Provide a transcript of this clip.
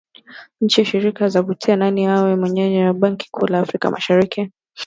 Nchi shiriki zavutana nani awe mwenyeji wa benki kuu la Afrika Mashariki